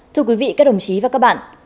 thưa quý vị các đồng chí và các bạn